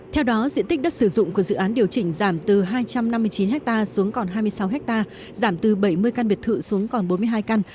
theo đó diện tích đất sử dụng của dự án điều chỉnh giảm từ hai trăm năm mươi chín ha xuống còn hai mươi sáu ha giảm từ bảy mươi căn biệt thự xuống còn bốn mươi hai căn